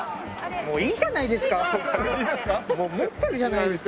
もういいじゃないですか。